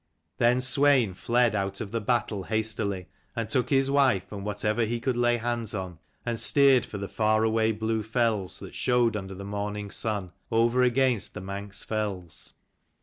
Then Swein fled out of the battle hastily, and took his wife and whatever he could lay hands on, and steered for the far away blue fells that showed under the morning sun, over against the Manx fells.